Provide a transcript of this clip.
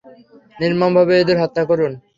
নির্মমভাবে এদের হত্যা করুন।